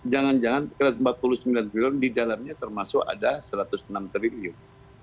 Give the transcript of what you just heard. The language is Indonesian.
jangan jangan empat puluh sembilan triliun di dalamnya termasuk ada satu ratus enam triliun